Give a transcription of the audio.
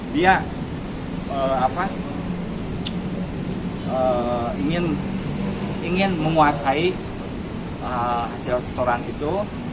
dia ingin menguasai hasil setoran itu